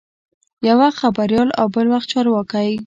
یو وخت خبریال او بل وخت چارواکی.